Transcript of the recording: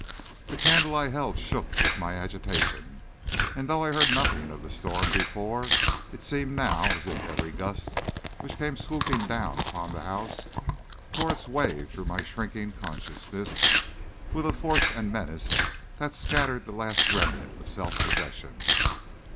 The candle I held shook with my agitation, and though I had heard nothing of the storm before, it seemed now as if every gust which came swooping down upon the house tore its way through my shrinking consciousness with a force and menace that scattered the last remnant of self possession.